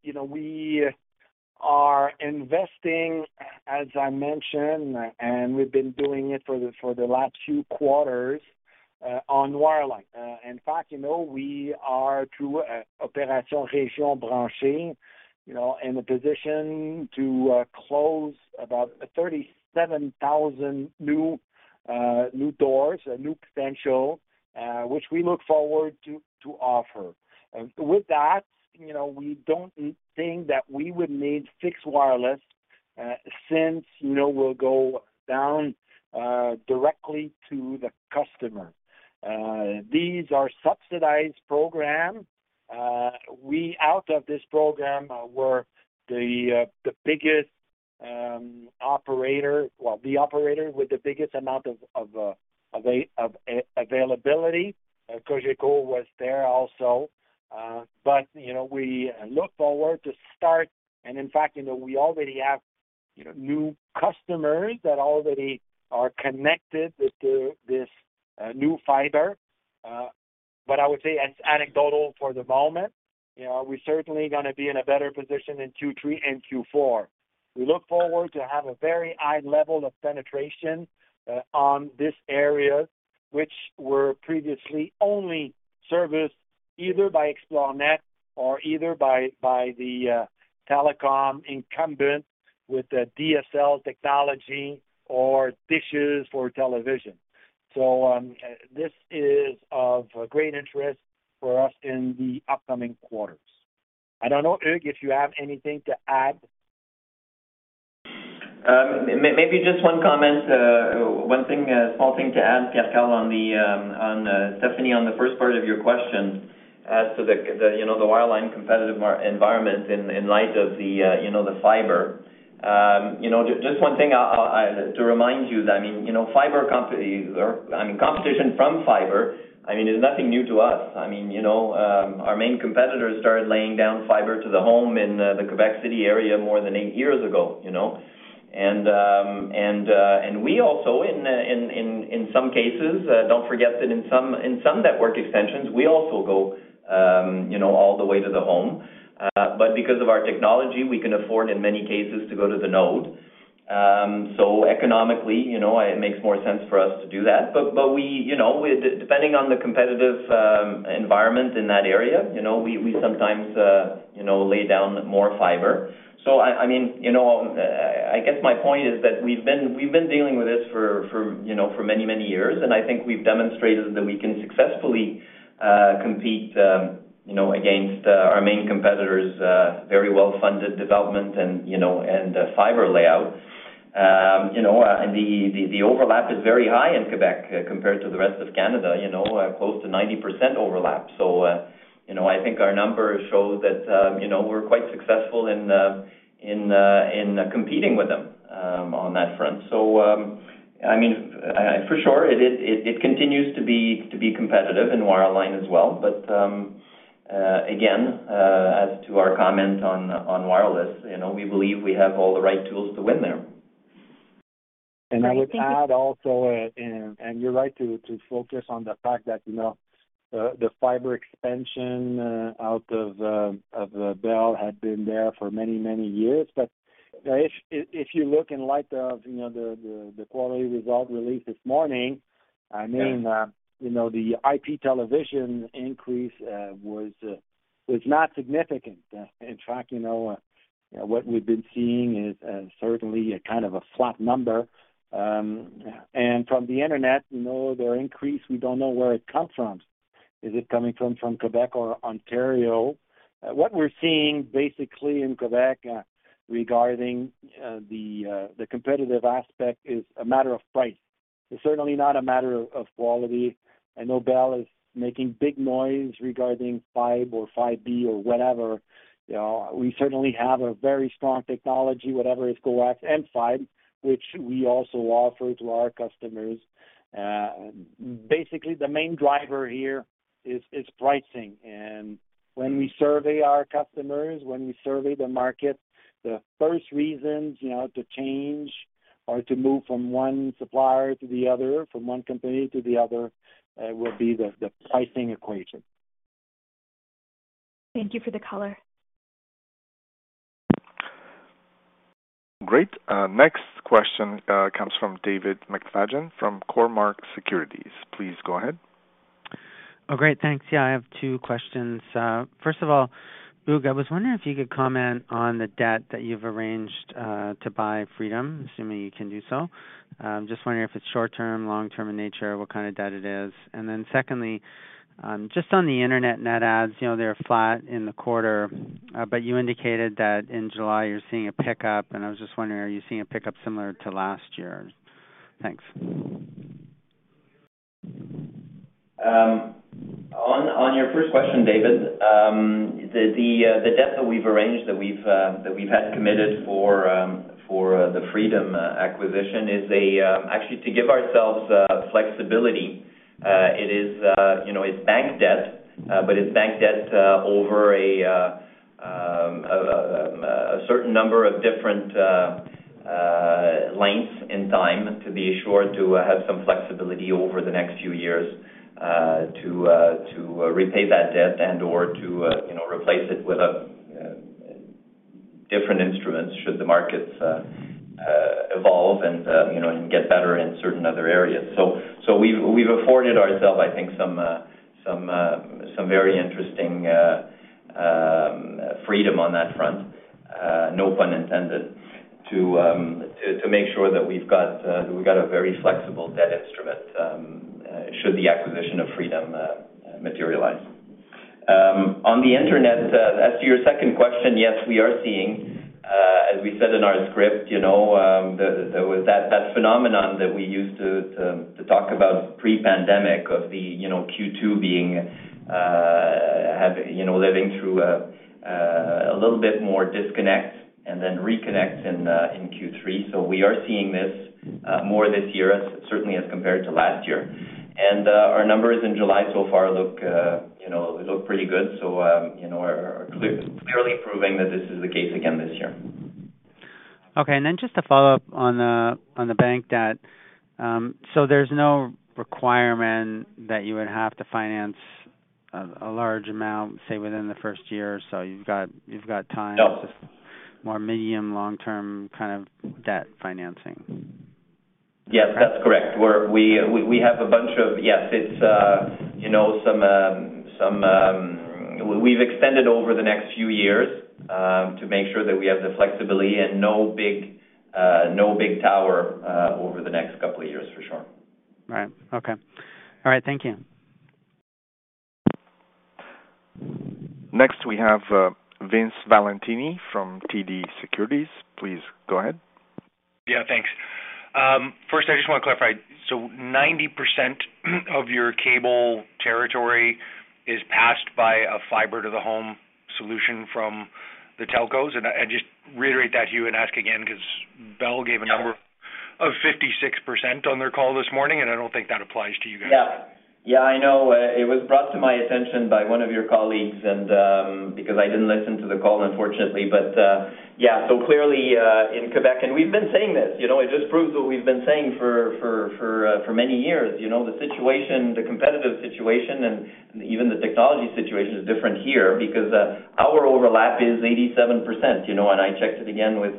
you know, we are investing, as I mentioned and we've been doing it for the last few quarters on wireline. In fact, you know, we are through Opération Régions branchées, you know, in a position to close about 37,000 new doors, new potential, which we look forward to offer. With that, you know, we don't think that we would need fixed wireless, since, you know, we'll go down directly to the customer. These are subsidized program. We, out of this program, were the biggest operator. Well, the operator with the biggest amount of availability. Cogeco was there also. You know, we look forward to start and in fact, you know, we already have, you know, new customers that already are connected with this new fiber. I would say it's anecdotal for the moment. You know, we certainly gonna be in a better position in Q3 and Q4. We look forward to have a very high level of penetration on this area, which were previously only serviced either by Xplornet or by the telecom incumbent with the DSL technology or dishes for television. This is of great interest for us in the upcoming quarters. I don't know, Hugues, if you have anything to add. Maybe just one comment. One thing, small thing to add, Stephanie, on the first part of your question as to the, you know, the wireline competitive market environment in light of the, you know, the fiber. Just one thing to remind you that, I mean, you know, fiber company or I mean, competition from fiber, I mean, is nothing new to us. I mean, you know, our main competitors started laying down fiber to the home in the Quebec City area more than eight years ago, you know. We also, in some cases, don't forget that in some network extensions we also go, you know, all the way to the home. Because of our technology, we can afford, in many cases, to go to the node. Economically, you know, it makes more sense for us to do that. We, you know, depending on the competitive environment in that area, you know, we sometimes, you know, lay down more fiber. I mean, you know, I guess my point is that we've been dealing with this for, you know, for many years. I think we've demonstrated that we can successfully compete, you know, against our main competitors' very well-funded development and, you know and fiber layout. You know and the overlap is very high in Quebec compared to the rest of Canada, you know. Close to 90% overlap. You know, I think our numbers show that, you know, we're quite successful in competing with them on that front. I mean, for sure it continues to be competitive in wireline as well. Again, as to our comment on wireless, you know, we believe we have all the right tools to win there. I would add also, you're right to focus on the fact that, you know, the fiber expansion out of Bell had been there for many years. If you look in light of, you know, the quarterly results released this morning. I mean, you know, the IPTV increase was not significant. In fact, you know, what we've been seeing is certainly a kind of flat number. From the internet, you know, their increase, we don't know where it comes from. Is it coming from Quebec or Ontario? What we're seeing basically in Quebec regarding the competitive aspect is a matter of price. It's certainly not a matter of quality. I know Bell is making big noise regarding 5G or Fibe or whatever. You know, we certainly have a very strong technology, whether it's coax and 5G, which we also offer to our customers. Basically, the main driver here is pricing. When we survey our customers, when we survey the market, the first reasons, you know, to change or to move from one supplier to the other, from one company to the other, will be the pricing equation. Thank you for the color. Great. Next question comes from David McFadgen from Cormark Securities. Please go ahead. Oh, great. Thanks. Yeah, I have two questions. First of all, Hugues, I was wondering if you could comment on the debt that you've arranged, to buy Freedom, assuming you can do so. Just wondering if it's short-term, long-term in nature, what kind of debt it is. Secondly, just on the internet net adds, you know, they're flat in the quarter but you indicated that in July you're seeing a pickup and I was just wondering, are you seeing a pickup similar to last year? Thanks. On your first question, David, the debt that we've arranged that we had committed for the Freedom acquisition is actually to give ourselves flexibility. It is, you know, it's bank debt but it's bank debt over a certain number of different lengths in time to be assured to have some flexibility over the next few years to repay that debt and/or to you know replace it with a different instruments should the markets evolve and you know and get better in certain other areas. We've afforded ourselves, I think, some very interesting freedom on that front, no pun intended, to make sure that we've got a very flexible debt instrument should the acquisition of Freedom materialize. On the internet, as to your second question, yes, we are seeing, as we said in our script, you know, with that phenomenon that we used to talk about pre-pandemic of the, you know, Q2 having a little bit more disconnect and then reconnect in Q3. We are seeing this more this year, certainly as compared to last year. Our numbers in July so far look, you know, pretty good. You know, are clearly proving that this is the case again this year. Okay. Just to follow up on the bank debt. There's no requirement that you would have to finance a large amount, say, within the first year or so. You've got time. More medium, long-term kind of debt financing. Yes, that's correct. We have a bunch of yes. It's, you know, some we've extended over the next few years to make sure that we have the flexibility and no big tower over the next couple of years for sure. Right. Okay. All right. Thank you. Next, we have, Vince Valentini from TD Securities. Please go ahead. Yeah, thanks. First, I just wanna clarify. 90% of your cable territory is passed by a fiber to the home solution from the telcos. I just reiterate that to you and ask again, because Bell gave a number of 56% on their call this morning and I don't think that applies to you guys. Yeah. Yeah, I know. It was brought to my attention by one of your colleagues and, because I didn't listen to the call, unfortunately. Yeah, so clearly, in Quebec and we've been saying this, you know, it just proves what we've been saying for many years, you know. The situation, the competitive situation and even the technology situation is different here because, our overlap is 87%, you know and I checked it again with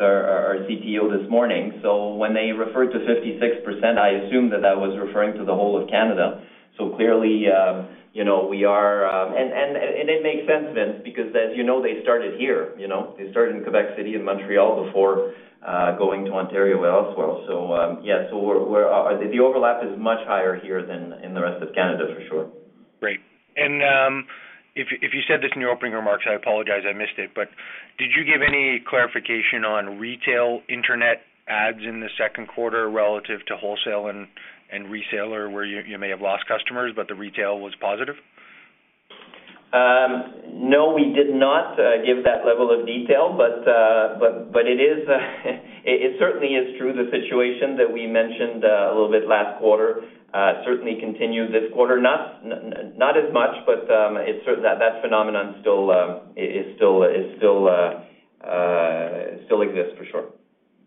our CTO this morning. So when they referred to 56%, I assumed that that was referring to the whole of Canada. So clearly, you know, we are. It makes sense, Vince, because as you know, they started here, you know. They started in Quebec City and Montreal before going to Ontario and elsewhere. The overlap is much higher here than in the rest of Canada for sure. Great. If you said this in your opening remarks, I apologize, I missed it. Did you give any clarification on retail internet adds in the second quarter relative to wholesale and retail or where you may have lost customers but the retail was positive? No, we did not give that level of detail but it certainly is true. The situation that we mentioned a little bit last quarter certainly continued this quarter. Not as much but it's sort of that phenomenon. It still exists for sure.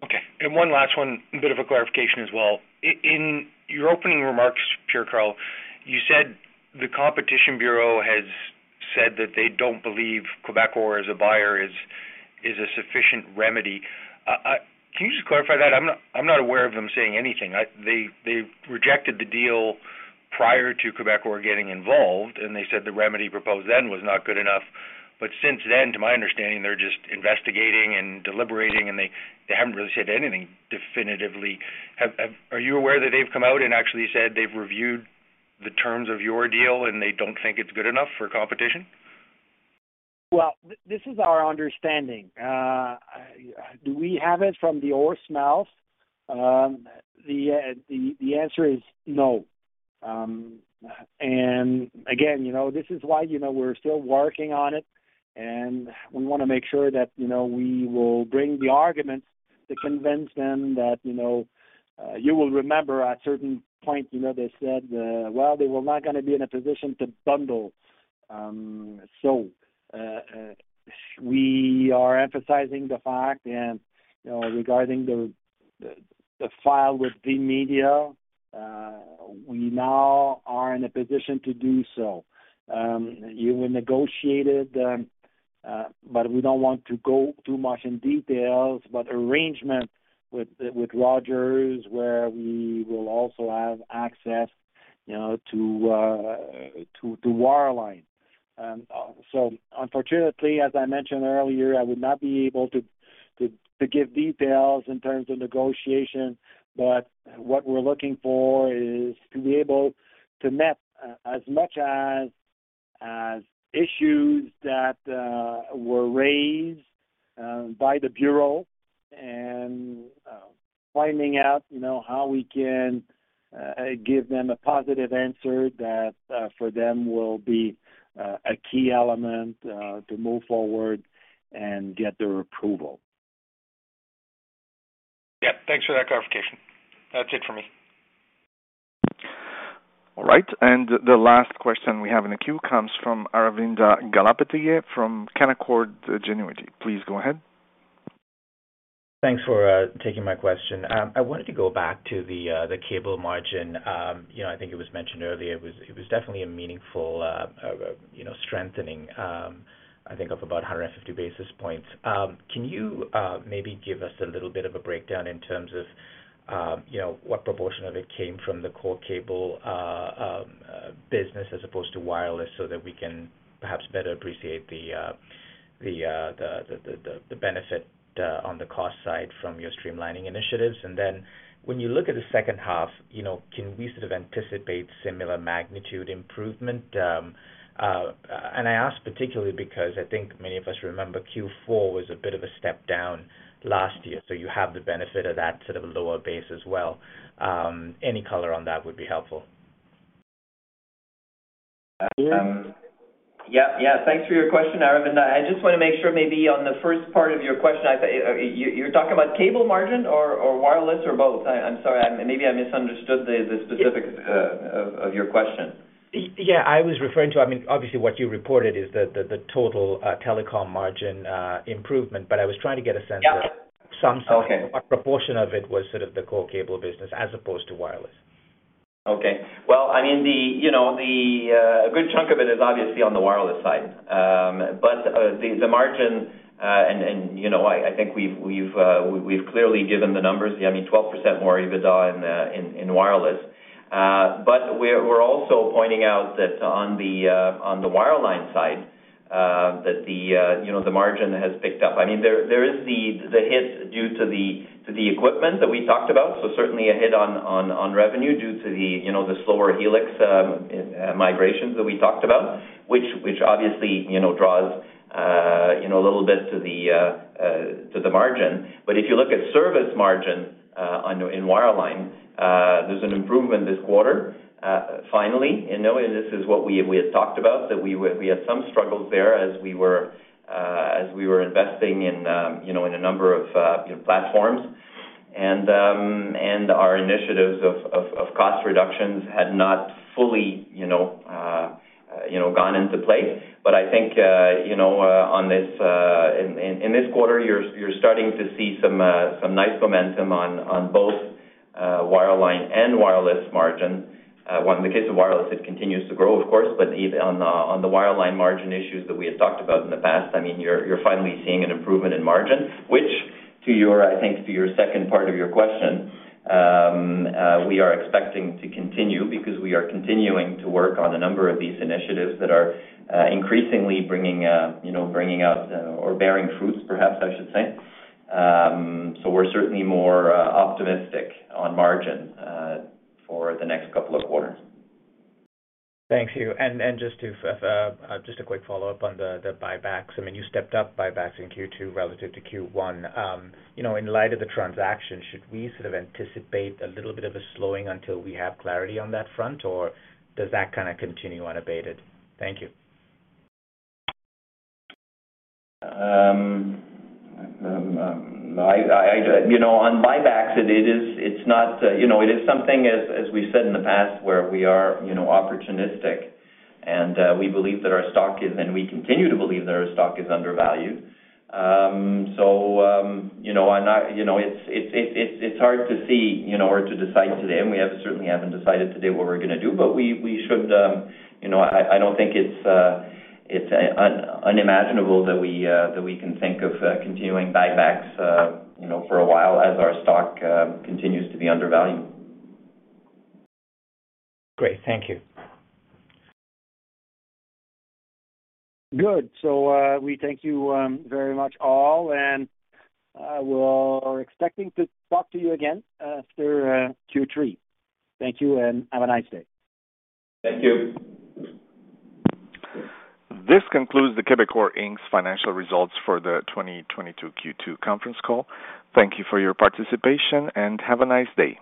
Okay. One last one, a bit of a clarification as well. In your opening remarks, Pierre-Karl, you said the Competition Bureau has said that they don't believe Quebecor as a buyer is a sufficient remedy. Can you just clarify that? I'm not aware of them saying anything. They've rejected the deal prior to Quebecor getting involved and they said the remedy proposed then was not good enough. Since then, to my understanding, they're just investigating and deliberating and they haven't really said anything definitively. Are you aware that they've come out and actually said they've reviewed the terms of your deal and they don't think it's good enough for competition? Well, this is our understanding. Do we have it from the horse's mouth? The answer is no. Again, you know, this is why, you know, we're still working on it and we wanna make sure that, you know, we will bring the arguments to convince them that, you know, you will remember at certain point, you know, they said, well, they were not gonna be in a position to bundle. We are emphasizing the fact and, you know, regarding the file with VMedia, we now are in a position to do so. We negotiated but we don't want to go too much in details but arrangement with Rogers, where we will also have access, you know, to wireline. Unfortunately, as I mentioned earlier, I would not be able to give details in terms of negotiation but what we're looking for is to be able to map as many issues that were raised by the Competition Bureau and finding out, you know, how we can give them a positive answer that for them will be a key element to move forward and get their approval. Yeah. Thanks for that clarification. That's it for me. All right. The last question we have in the queue comes from Aravinda Galappatthige from Canaccord Genuity. Please go ahead. Thanks for taking my question. I wanted to go back to the cable margin. You know, I think it was mentioned earlier. It was definitely a meaningful, you know, strengthening, I think of about 150 basis points. Can you maybe give us a little bit of a breakdown in terms of, you know, what proportion of it came from the core cable business as opposed to wireless so that we can perhaps better appreciate the benefit on the cost side from your streamlining initiatives? When you look at the second half, you know, can we sort of anticipate similar magnitude improvement? I ask particularly because I think many of us remember Q4 was a bit of a step down last year, so you have the benefit of that sort of lower base as well. Any color on that would be helpful. Yeah, yeah. Thanks for your question, Aravind. I just wanna make sure maybe on the first part of your question, I think you're talking about cable margin or wireless or both? I'm sorry. Maybe I misunderstood the specific of your question. Yeah. I mean, obviously, what you reported is the total telecom margin improvement but I was trying to get a sense of some proportion of it was sort of the core cable business as opposed to wireless. Okay. Well, I mean, you know, a good chunk of it is obviously on the wireless side. But the margin and, you know, I think we've clearly given the numbers. I mean, 12% more EBITDA in wireless. But we're also pointing out that on the wireline side, that you know, the margin has picked up. I mean, there is the hit due to the equipment that we talked about, so certainly a hit on revenue due to the slower Helix migrations that we talked about, which obviously, you know, draws a little bit to the margin. If you look at service margin in wireline, there's an improvement this quarter, finally. Knowing this is what we had talked about, that we had some struggles there as we were investing in a number of platforms. Our initiatives of cost reductions had not fully gone into place. I think in this quarter, you're starting to see some nice momentum on both wireline and wireless margin. One, in the case of wireless, it continues to grow, of course but on the wireline margin issues that we had talked about in the past, I mean, you're finally seeing an improvement in margin, which to your, I think to your second part of your question, we are expecting to continue because we are continuing to work on a number of these initiatives that are increasingly bringing you know, bringing out or bearing fruits, perhaps I should say. We're certainly more optimistic on margin for the next couple of quarters. Thank you. Just a quick follow-up on the buybacks. I mean, you stepped up buybacks in Q2 relative to Q1. You know, in light of the transaction, should we sort of anticipate a little bit of a slowing until we have clarity on that front or does that kinda continue unabated? Thank you. You know, on buybacks it is, it's not, you know. It is something as we said in the past, where we are, you know, opportunistic and we believe that our stock is and we continue to believe that our stock is undervalued. So, you know, it's hard to see, you know or to decide today and we have certainly haven't decided today what we're gonna do. We should, you know. I don't think it's unimaginable that we that we can think of continuing buybacks, you know, for a while as our stock continues to be undervalued. Great. Thank you. Good. We thank you very much all and we are expecting to talk to you again after Q3. Thank you and have a nice day. Thank you. This concludes the Quebecor Inc.'s financial results for the 2022 Q2 conference call. Thank you for your participation and have a nice day.